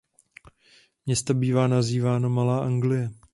Město bývá nazýváno "Malá Anglie".